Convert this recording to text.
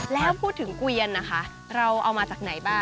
แล้วพูดถึงเกวียนนะคะเราเอามาจากไหนบ้าง